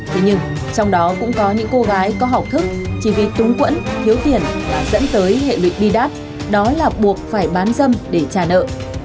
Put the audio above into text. thế nhưng trong đó cũng có những cô gái có học thức chi phí túng quẫn thiếu tiền và dẫn tới hệ luyện đi đáp đó là buộc phải bán dâm để trả nợ